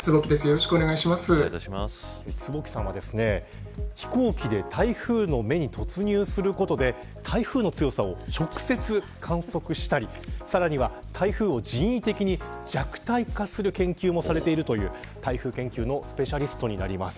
坪木さんは飛行機で台風の目に突入することで台風の強さを直接観測したりさらには、台風を人為的に弱体化する研究もされているという台風研究のスペシャリストになります。